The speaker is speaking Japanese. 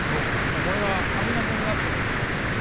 もうこれが半額になってるもの。